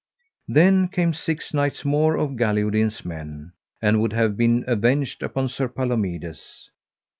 Then came six knights more of Galihodin's men, and would have been avenged upon Sir Palomides.